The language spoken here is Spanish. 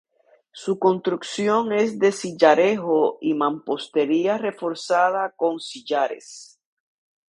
Su construcción es de sillarejo y mampostería reforzada con sillares.